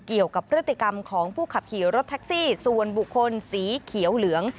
เกี่ยวกับพฤติกรรมของผู้ขับขี่รถแท็กซี่ส่วนบุคคลสีเขียวเหลือง